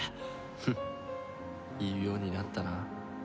フン言うようになったな。